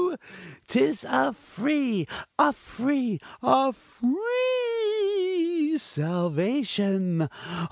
'tis a free, a free, a free salvation!